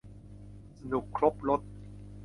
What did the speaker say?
สนุกครบรส